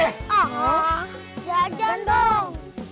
aww jajan dong